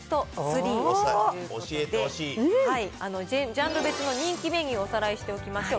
ジャンル別の人気メニューをおさらいしておきましょう。